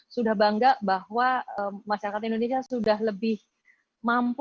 sudah bangga bahwa masyarakat indonesia sudah lebih mampu